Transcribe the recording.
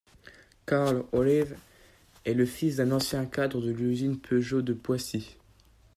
Karl Olive est le fils d'un ancien cadre de l'usine Peugeot de Poissy.